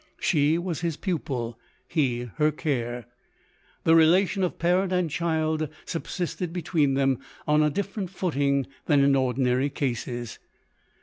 She was his pupil — he her care. The relation of parent and child sub sisted between them, on a different footing than in ordinary cases.